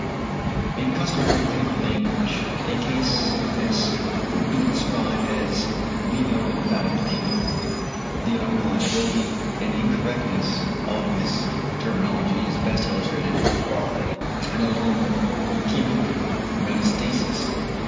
In customary clinical language, a case of this kind would be described as lieno lymphatic leukæmia. The unreliability and incorrectness of this terminology is best illustrated by another form of leukæmic metastasis.